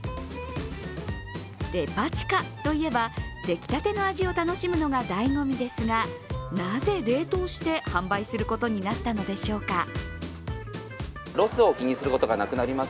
デパ地下といえば、出来たての味を楽しむのがだいご味ですがなぜ冷凍して販売することになったのでしょうか。